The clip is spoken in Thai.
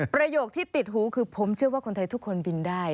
ประโยคที่ติดหูคือผมเชื่อว่าคนไทยทุกคนบินได้